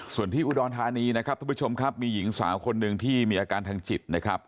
ส่วนที่อุดรธานีนะครับทุกผู้ชมครับมีหญิงสาวคนหนึ่งที่มีอาการทางจิตนะครับ